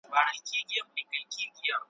د یوه لوی جشن صحنه جوړه سوې وه `